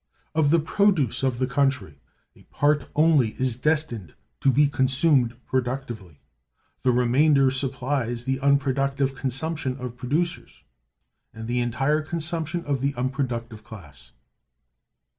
Of the produce of the country, a part only is destined to be consumed productively; the remainder supplies the unproductive consumption of producers, and the entire consumption of the unproductive class.